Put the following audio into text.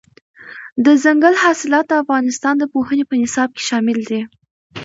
دځنګل حاصلات د افغانستان د پوهنې په نصاب کې شامل دي.